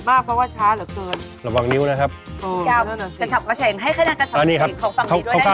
เทคนิคคือหั่นครึ่งก่อนนะครับนะครับนะครับนะครับนะครับนะครับ